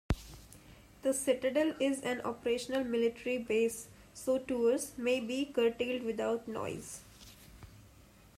The Citadel is an Operational Military Base, so Tours "may be curtailed without notice".